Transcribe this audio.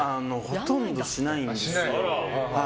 ほとんどしないんですよ。